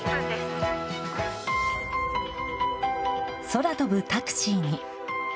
空飛ぶタクシーに。